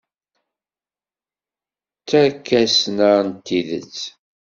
D takesna n tidet!